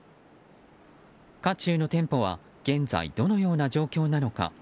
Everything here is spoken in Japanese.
渦中の店舗は現在、どのような状況なのか。